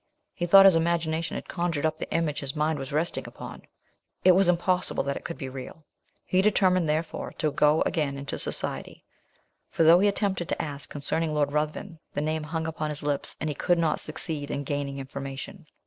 He thought his imagination had conjured up the image his mind was resting upon. It was impossible that it could be real he determined, therefore, to go again into society; for though he attempted to ask concerning Lord Ruthven, the name hung upon his lips, and he could not succeed in gaining information.